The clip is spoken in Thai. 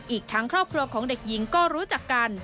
อีกทั้งครอบครัวของเด็กหญิงก็รู้จักกัน